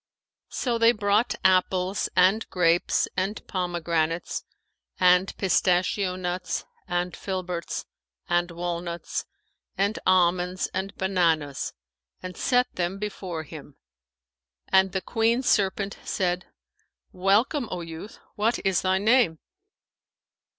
[FN#512] So they brought apples and grapes and pomegranates and pistachio nuts and filberts and walnuts and almonds and bananas and set them before him, and the Queen serpent said, "Welcome, O youth! What is thy name?"